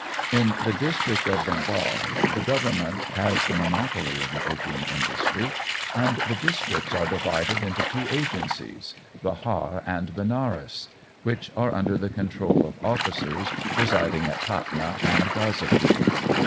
In the district of Bengal, the Government has the monopoly of the opium industry, and the districts are divided into two agencies, Behar and Benares, which are under the control of officers residing in Patna and Ghazipur.